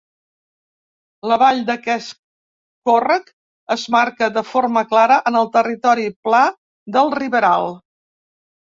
La vall d'aquest còrrec es marca de forma clara en el territori pla del Riberal.